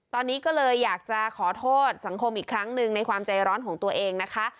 ตอนนี้ก็เลยอยากจะขอโทษสังคมอีกครั้งหนึ่งในความใจร้อนของตัวเองนะคะ